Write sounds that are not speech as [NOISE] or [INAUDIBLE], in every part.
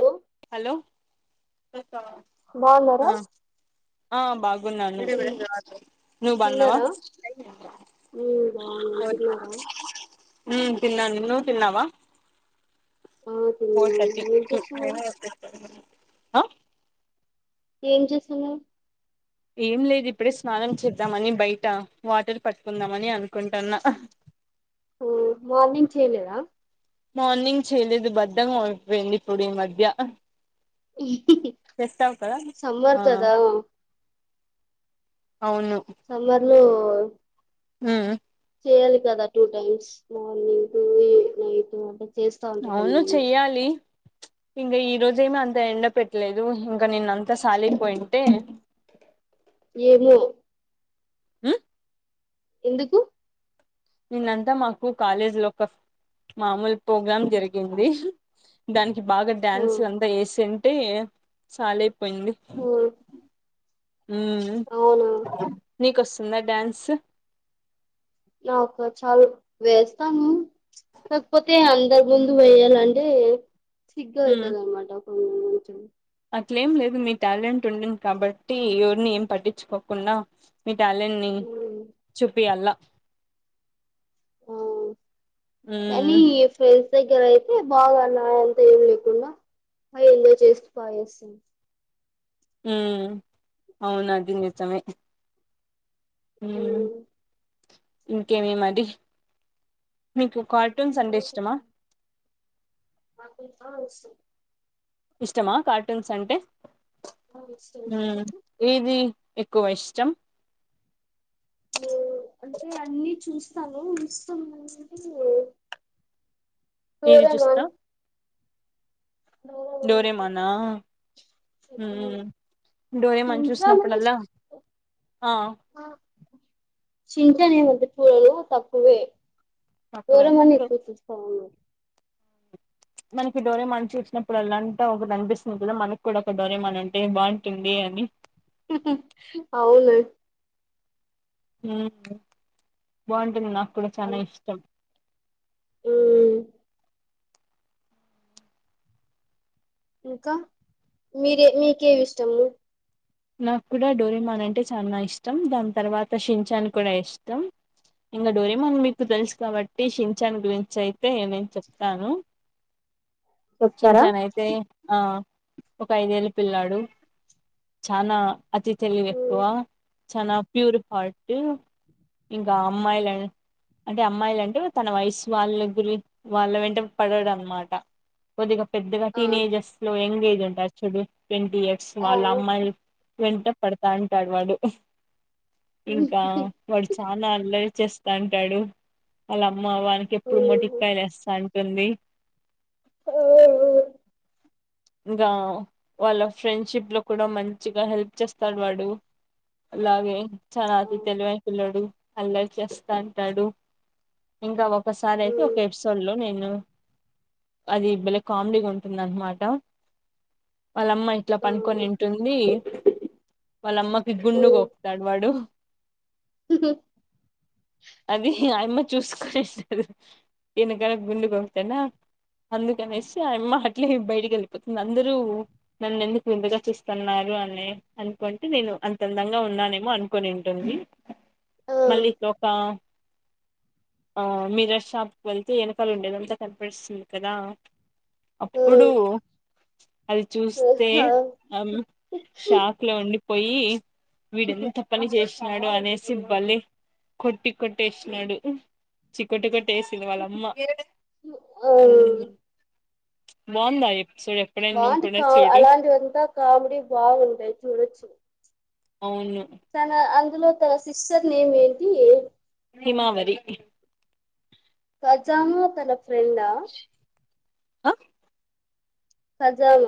Hello hello బాగున్నారా ఆ ఆ బాగున్నాను తిన్ నువ్వు బాగున్నావా తిన్నారా ఉమ్ బాగున్నాం తిన్నారా మ్ తిన్నా నువ్వు తిన్నావా ఆ ఫోర్ తిన్నాం థర్టీ ఏం చేస్తున్నారు హ ఏం చేస్తున్నారు ఏం లేదు ఇప్పుడే స్నానం చేద్దామని బయట వాటర్ పట్టుకుందామ అని అనుకుంటున్నా ఓ మార్నింగ్ చేయలేదా మార్నింగ్ చేయలేదు బద్దకం అయిపోయింది ఇప్పుడు ఈ మధ్య ఇ చేస్తావు కదా ఆ సమ్మర్ కదా ఔను సమ్మర్ లో హ్మ్ చేయాలి కదా టూ టైమ్స్ మార్నింగ్ టు ఈ నైట్ అంటే అవును చెయ్యాలి ఇంకా ఈ రోజ ఏమి అంత ఎండ పెట్టలేదు ఇంక నిన్న అంతా సాలయిపోయింటే ఏమో హ్మ్ ఎందుకు నిన్నంతా మాకు కాలేజ్ లో ఒక మామూలు ప్రోగ్రాం జరిగింది దాని బాగా ఆ డ్యాన్స్ అంతా ఏసీన్ ట్టే సాలే పోయింది ఆ ఉం అవునా నీకో ద డ్యాన్స్ నాకా చాలు వేస్తాము కాకపోతే అ అందరు ముందు వేయాలంటే సిగ్గు అయితధనమాట [UNINTELLIGIBLE] అట్ల ఏం లేదు మీ టాలెంట్ ఉండింది కాబట్టి ఎవరిని ఏం పట్టించుకోకుండా మీ ట్యాలెంట్ ని ఉమ్. చూపియాల్లా అవును ఉమ్ ఎనీఏఫ దగ్గర అయితే బాగాన్నా అంతా ఏం లేకుండా బాగా ఎంజాయ్ చేస్తూ బాగా చేస్తుంది హ అవునాది నిజమే ఉమ్ ఇంకేమీ మరి? మీకు కార్టూన్స్ అంటే ఇష్టమా? మాకు ఇంకా, వస్తున్ ఇష్టమా? కార్టూన్స్ అంటే? హ, ఏది? ఎక్కువ ఇష్టం. ఉ, అంటే అన్ని చూస్ తను, ఇస్తుందంటే టీ వి చూస్తా డోరేమానా? హ్మ్మ్ డోరేమాన్ షిన్చాన్ చూసినప్పుడల్లా. ఆ శిన్చాన్ ఏమంత చూడడూ, తక్కువే. తక్కువేనా డోరోమాన్ డో ఎక్కువ చుస్తామండి. మనకి డోరేమాన్ చూసినప్పుడల్ల అంత ఒకటి అనిపిస్తుంది కదా, మనకు కూడా ఒక డోరేమాన్ ఉంటే బాగుంటుంది అని. అవును. ఉమ్, బాగుంటుంది మా. కూడ చానా అలా ఇష్టం. ఉమ్ ఇంకా? మీరే మీకేదిష్టము? నాకు కూడా డోరేమాన్ అంటే చానా ఇష్టం. దాని తర్వాత షిన్ఛాన్ కూడా ఇష్టం. ఇంకా డోరమాన్ మీకు తెలుసు కాబట్టి, షిన్ఛాన్ గురించి అయితే నేను చెప్తాను. చెప్తారా షించాన్ అయితే, ఆ. ఒక ఐదేళ్ళ పిల్లాడు, చాన అతి తెలివి ఎక్కువ. చానా ప్యూర్ హార్ట్ ఇంకా, అమ్మాయిలు అంటే అమ్మాయిలు అంటే, తన వయసు వాళ్ళ గురి వాళ్ళ వెంట పడడు అనమాట. కొద్దిగప్ పెద్దగా టీనేజెస్లో, యంగ్ ఏజ్ ట్లుంటాడు చూడు? ట్వంటీ ఇయర్స్ వాళ్ళ అమ్మాయిలు, వెంట పడతాన్టాడు వాడు. ఇంకా, వాడు చాన అల్లరి వచ్చేస్తాంటాడు, ఆళ్లమ్ మ్మ, వానికి ఎప్పుడూ మొటిక్కయలు ఏస్తాన్ తుంది. ఇంగా, వాళ్ళ ఫ్రెండ్షిప్ లో కూడ మంచిగ హెల్ప్ చేస్తాడు వాడు. అలాగే చానా అతి తెలివైన పిల్లోడు. అల్లరి చేస్తాన్టాడు, ఇంకా ఒక్ ఒకసారి అయితే, ఒక ఎపిసోడ్ లో నేను అది బాలే కామెడీ ఉంటుంద అన్నమాట వాళ్ళమ్మ ఇట్లా పనుకొనింటుంది వాళ్ళమ్మకి గుండుగకుతాడు వాడు ఉహు్ అయమ్మ చూసుకొనిస్తారు యానకాల గుండకితానా అందుకనేసి ఆ అమ్మ అట్లే బయటకి వెళ్ళిపోతుంది అందరూ నన్ను ఎందుకు విందుగా చూస్తున్నారు అని అనుకుంటే నేను అంతందంగా ఉన్నానేమో అనుకుని ఉంటుంది మల్లి [UNINTELLIGIBLE] ఆ మీరు షాప్కి వెళ్తే వెనకలు ఉండేదంతా కనిపిస్తుంది కదా అప్పుడు అది చూస్తే షాక్ లో ఉండి పోయి వీడన్ని తప్పని చేస్త వాడు అనేసి బలే కొట్టి కొట్టి ఇస్తునడు చక్కటి కొట్టి కేసిల్ వాల అమ్మా మ్మ్ బావుందా [UNINTELLIGIBLE] అలాంటి అంత కామెడి బాగుంటాయి చూడచు అవును తన అందులో తన సిస్టర్ నేమ్ ఏంటి హిమవరి కజాము [UNINTELLIGIBLE] [UNINTELLIGIBLE] ఆ కాజైన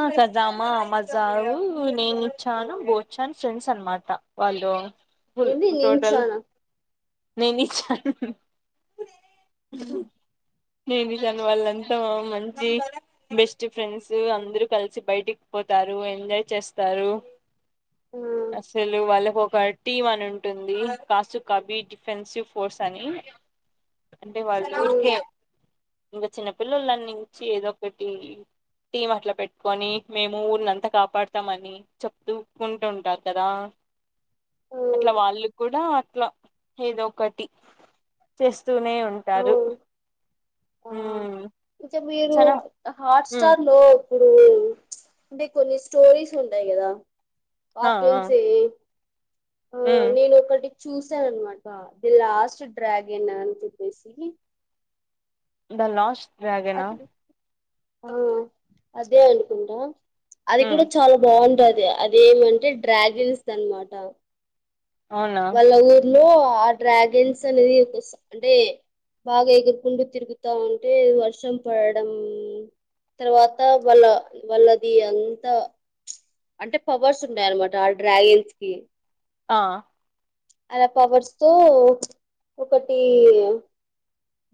ఆ సజామా మజా నేను ఇచ్చాను పోచ్చాన ఫ్రెండ్స్ అనమాట వాళ్ళు ఫుల్ ఏంది టోటల్ నించానా నీనిచ్చన్ అ నేను జాను వాళ్ళంతా మంచి బెస్ట్ ఫ్రెండ్స్ అంత అందరు కలిసి బయటికి పోతారు ఎంజాయ్ చేస్తారు ఆ అసలు వాళ్ళ [UNINTELLIGIBLE] ఒక టీమ్ అని ఉంటుంది కాసు కబీ డిఫెన్సివ్ ఫోర్స్ అని అంటే వాళు ఆ ఊరికే ఇంకా చిన్న పిల్లలన్నించి ఏదో ఒకటి టీమ్ అట్లా పెట్టి కని మేము [UNINTELLIGIBLE] అంత కాపాడుతాం అని చెప్తూకుంటుంటారు కదా ఆ అట్లా వాళ్ళు కూడా అట్లా ఏదో ఒకటి చేస్ వస్తూనే ఆ ఉంటారు మ్ ఇకా మీరు హాట్స్టార్ లో ఇప్పుడు అంటే కొన్ని స్టోరీస్ ఉంటాయి కదా ఆ ఆ పట్లూన్స్ ఆ నేను ఒకటి చూసారనమాట ది లాస్ట్ డ్రాగన్ అని చెప్పేసి దా లాస్ట్ డ్రాగన్ హా అది ఆ అదే అనుకుంటా అది హ్మ్ కూడా చాలా బాగుంటది అ అదేమంటే డ్రాగిన్స్ అనమాట అవునా లో ఆ డ్రాగన్స్ అనేది ఓస్ అంటే బాగా ఎగురుకుంటూ తిరుగుతా ఉంటే వర్షం పడడం, తర్వాత వాళ్ళ వాళ్ళది అంతా అంటే పవర్స్ ఉన్నాయ అనమాట ఆ డ్రాగన్స్ కి ఆ అలా పవర్స్ తో ఒకటి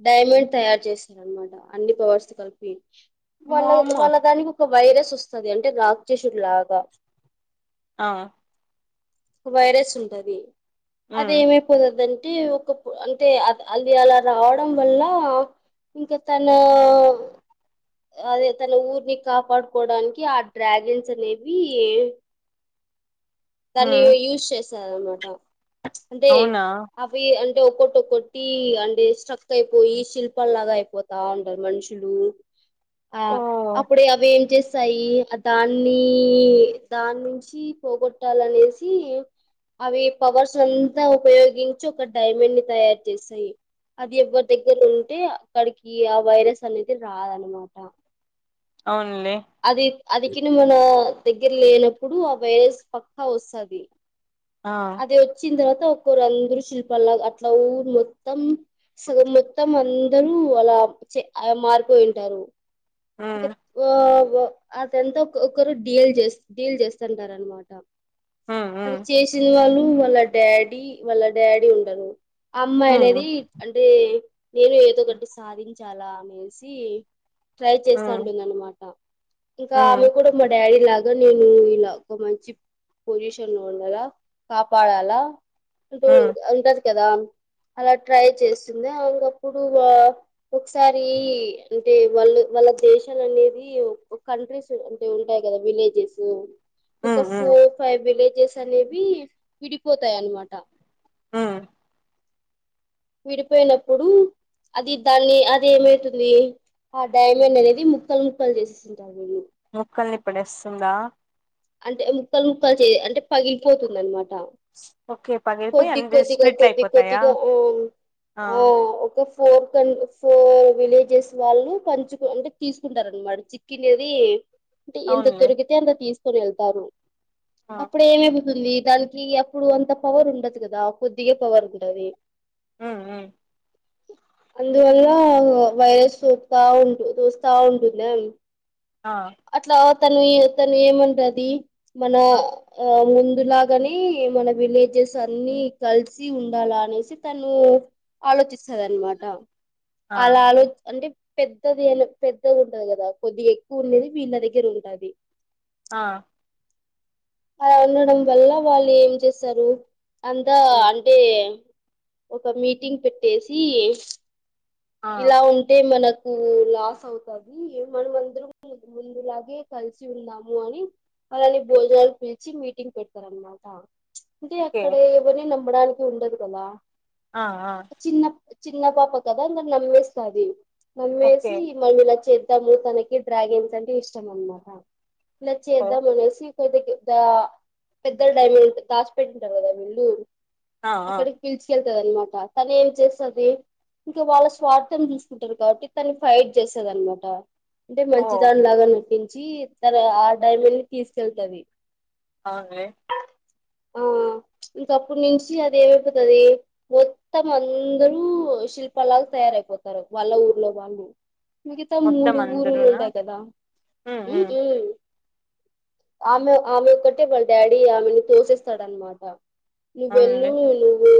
డైమండ్ తయారు చేశారనమాట, అన్ని పవర్స్ తో కలిపి వాల మామ్ వాల్లదనికి ఒక వైరస్ వస్తది అంటే లాక్ చేసడు లా బ ఆ వైరస్ ఉంటది హ్మ్ అదేమే పోదదని అంటే ఒక అంటే అ అది అలా రావడం వల్ల ఇంకా తన ఆ అదే తన ఊరిని కాపాడుకోడానికి ఆ డ్రాగన్స్ అనేవి దాన్ని హ్మ్ యూజస్ చేస్ సర మాటా అంటే అవునా అవి అం అంటే ఒకటిక్కటి అంటే స్ట్రక్ అయిపోయి శిల్పల్లాగా అయిపోతా ఉంటారు మనుషులు ఆ ఓ అప్పుడే అవి ఏం చేస్త యి దాన్ని దాని నుంచి పోగొట్టాలి అనేసి అవి పవర్స్ అంతా ఉపయోగించి ఒక అనేసి అవి పవర్ అంత ఉపయోగించి ఒక డైమండ్ ని తయారు చేసాయి అది ఎవరి దగ్గర ఉంటే అక్కడికి ఆ వైరస్ అనేది రాదనమాట అవును అది అదికి ను మన్న దగ్గర లేనప్పుడు ఆ వైరస్ పక్కా వస్తుంది ఆ అదే వచ్చిందవాత ఒక్కరు అందరుూ శిల్పలా లాగా అట్లా ఊ మొత్తం స్కూల్ మొత్తం అందరూ అలా చే అ మారిపోయింటారు హ్మ్ ఆ వా అద ఎంతా ఒొక్కరు డీల్ చే డీల్ చేస్తుంటార అనమాట హ్మ్ అది హ్మ్ చేసి వాళ్ళ వల్ల డాడీ వాళ్ళ డాడీ ఉండరు అమ్మాయి హ్మ్ అనేది అంటే నేను ఏదో ఒకటి సాధించాలా అనేసి ట్రై చేస్తా హ్మ్ ఉంటుంద అనమాట ఇంకా ఆమె హ్మ్ కూడా మా డాడీ ఇలాగా నేను ఇలా ఒక మంచి పొజిషన్ లో ఉండాల కాపాడాలా ఉ హ్మ్ అందరూ కదా అలా ట్రై చేస్తుంది అకప్పుడు అ ఒకసారి అంటే వాళ్ళు వాళ్ళ దేశాలు అనేది కంట్రీస్ అంటే ఉంటాయి కదా విలేజెస్ ఒక హ్మ్ హ్మ్ ఫోర్ ఫైవ్ ఫైబి జాశానేవి విడిపోతాయ అన్నమాట మ్ విడిపోయినప్పుడు అది దాన్ని అది ఏమైతుంది ఆ డైమండ్ అనేది ముక్కలు ముక్కలు చేసే ముక్కల్ని ఇప్పుడుేస్తుందా అంటే ముక్కలు ముక్కలు చే అంటే పగిలిపోతుంది అనమాట [INAUDIBLE] పగిలిపోయి కొద్ది అన్ని కొద్దిగా స్ప్లిట్లు కొద్ది అయిపోతాయా కొద్దిగా ఆ ఓ ఆ ఒక ఫోర్ క ఫోర్ విలేజెస్ వాళ్ళు పంచు అంటే తీసుకుంటారు అనమాట చికినీది అంట ఎంత అవునులే తొరుగితే అంత తీసు రు వెళ్తారు ఆ అప్పుడే ఏమ బతుంది దానికి ఎప్పుడు అంత పవర్ ఉండదు కదా కొద్దిగాే పవర్ ఉండది ఉ అందువల్ల వైరస్ సోపుతా ఉంటు చోస్తా ఉంటుంది ఆ అట్లా తను తను ఏమండది మన ఆ ము అందులాగానే మన విలేజెస్ అన్ని కలిసి ఉండాల అనేసి తను ఆలోచి వస్తునమాట ఆ అలా ఆలో అంటే పెద్దది అ పెద్దది ఉంటది కదా కొద్దిగా ఎక్కువ ఉన్నది మీ ఇన్న దగ్గర ఉంటది ఆ అలా ఉండడం వల్ల వాళ్ళు ఏం చేస్తారు అంతా హ్మ్ అంటే ఒక మీటింగ్ పెట్టేసి ఆ ఇలా ఉంటే మనకు లాస్ అవుతది మనం అందరం ముందులాగే కలిసి ఉందాము అని అలాని భోజనాలు పిలిచి మీటింగ్ పెడతారు అనమాట అంటే ఓకే అక్కడ ఎవరిన అమ్మడానికి ఉండదు కదా ఆ ఆ చిన్న చిన్న పాప కదా నమ్మేస్తది ఓకే నమ్మేసి మళ్లీ ఇలా చెయ్ తము తనకి డ్రాగన్స్ అంటే ఇష్టం అనమాట ఓ చేద్దాం అనేసి పెద్ద పెద్ద పెద్ద డైమండ్ దాస్పేట ఉంటారు కదా వీళ్లు ఆ ఆ అక్కడికి పిలిచికెళ్తే అనమాట తను ఏం చేస్తుంది ఇంకా వాళ్ళ స్వార్థం చూసుకుంటారు కాబట్టి తన్ని ఫైట్ చేస్తది అనమాట అంటే ఓ మంచిదానిలాగా నటించ వచ్చి తర ఆ డైమండ్ ని తీసుకెళ్తుది అవునే ఆ ఇంకప్పుటి నుంచి అది ఏమైపోతుది మొత్తం అందరూ శిల్పాల లాగా తయారైపోతారు వాళ్ళ ఊర్లో వాళ్ళు మిగతా మొత్తం మూడు ఊరు అందరూనా ఉంటాయి కదా హ్మ్ హ్మ్ హ్మ్మ్ ఆమె ఆమె ఒక్కటే వాళ్ళ డాడీ ఆమెని తోసేస్తాడనమాట నువ్వెళ్ళు అవునులే నువ్వు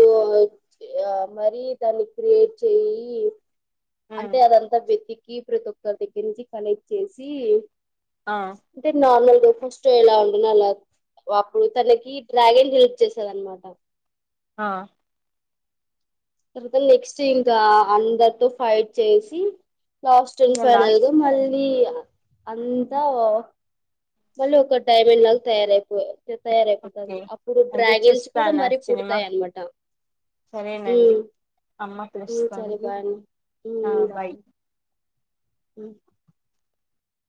మరి దాన్ని క్రియేట్ చేయి ఏ ఉమ్ అంటే అదంతా విధి కీ ప్రతి ఒక్కల దగ్గరరించి కనెక్ట్ చేసి అంటే నార్మల్ ఫస్ట్ో ఎలా ఉంటదో అలా అప్పుడు తనకి డ్రాగన్ రిలిప్ చేస్తది అనమాట ఆ తర్వాత నెక్స్ట్ ఇంకా అందరితో ఫైట్ చేసి లాస్ట్ అండ్ ఇంగ లాస్ట్ ఫైనల్గా కి మళ్ళీ అంతా ఓ మళ్ళీ ఒక డైమండ్ లాగా తయారయిపోయ తయారయిపోతుది ఓకే అప్పుడు అయితే డ్రాగిన్స్ కూడా చూస్తాను ఆ మరీ సినిమా పుడతాయ అన్నమాట సరేనండి హ్మ్మ్ అమ్మ హ్మ్మ్ సరే పిలుస్తుంది హ్మ్మ్ బాయ్ అమ్మ హ్మ్మ్